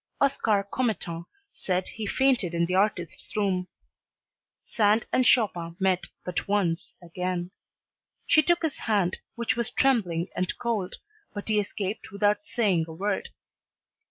Oscar Commettant said he fainted in the artist's room. Sand and Chopin met but once again. She took his hand, which was "trembling and cold," but he escaped without saying a word.